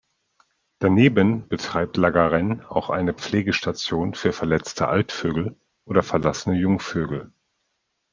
Daneben betreibt La Garenne auch eine Pflegestation für verletzte Altvögel oder verlassene Jungvögel.